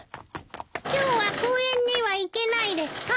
今日は公園には行けないですか？